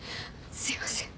すいません。